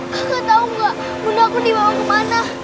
kakak tahu gak bunda aku dibawa kemana